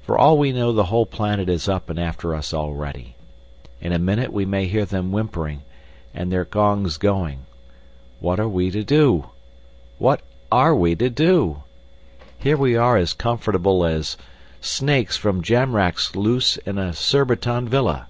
For all we know the whole planet is up and after us already. In a minute we may hear them whimpering, and their gongs going. What are we to do? Where are we to go? Here we are as comfortable as snakes from Jamrach's loose in a Surbiton villa!"